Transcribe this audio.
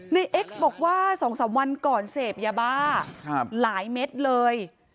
เอ็กซ์บอกว่า๒๓วันก่อนเสพยาบ้าหลายเม็ดเลย